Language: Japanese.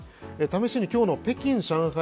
試しに、今日の北京上海